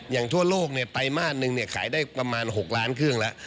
อย่างทั่วโลกเนี่ยไตมาสนึงเนี่ยขายได้ประมาณ๖ล้านเครื่องแล้ว